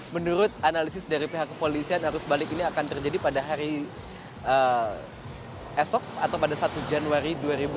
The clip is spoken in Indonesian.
menurut analisis dari pihak kepolisian arus balik ini akan terjadi pada hari esok atau pada satu januari dua ribu dua puluh